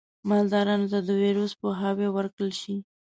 مالدارانو ته د ویروس پوهاوی ورکړل شي.